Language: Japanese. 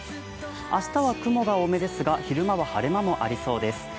明日は雲が多めですが、昼間は晴れ間もありそうです。